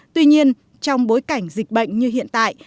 tuy nhiên trong bối cảnh dịch bệnh như hiện tại